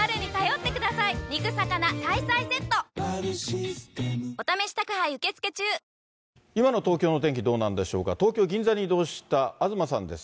そうですね、麻酔を試みたが、今の東京の天気、どうなんでしょうか、東京・銀座に移動した東さんです。